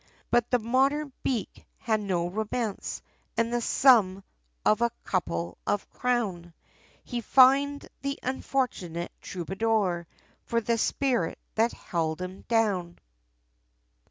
But the modern beak had no romance, And the sum of a couple of crown, He fined the unfortunate troubadour, For the spirit that held him down!